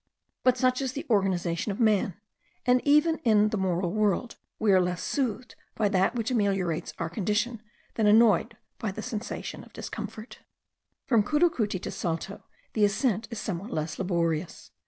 But such is the organization of man; and even in the moral world, we are less soothed by that which ameliorates our condition than annoyed by a new sensation of discomfort. From Curucuti to Salto the ascent is somewhat less laborious.